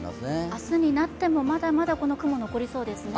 明日になってもまだまだこの雲、残りそうですね。